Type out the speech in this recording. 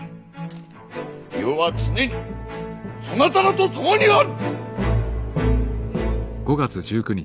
余は常にそなたらと共にある！